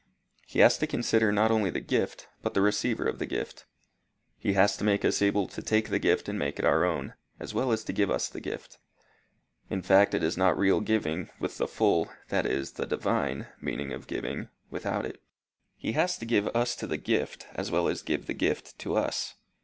He has to consider not only the gift, but the receiver of the gift. He has to make us able to take the gift and make it our own, as well as to give us the gift. In fact, it is not real giving, with the full, that is, the divine, meaning of giving, without it. He has to give us to the gift as well as give the gift to us.